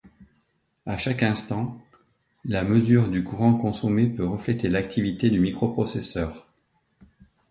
À chaque instant, la mesure du courant consommé peut refléter l'activité du microprocesseur.